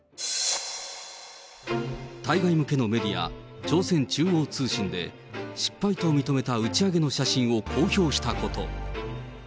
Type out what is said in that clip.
対外向けのメディア、朝鮮中央通信で失敗と認めた打ち上げの写真を公表したこと。